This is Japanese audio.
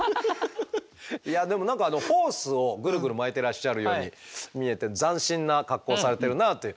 いやでも何かホースをぐるぐる巻いてらっしゃるように見えて斬新な格好をされてるなという。